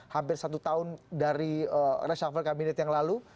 hampir satu tahun dari reshuffle kabinet yang lalu